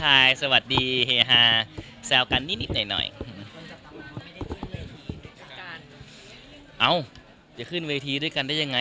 อ้าวจะขึ้นโรงพิษเตือนนี้ได้ยังไง